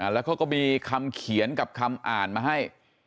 แล้วเขาก็มีคำเขียนกับคำอ่านมาให้